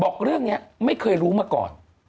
บอกเรื่องนี้ไม่เคยรู้มาก่อน